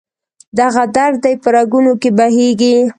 دغه درد دې په رګونو کې بهیږي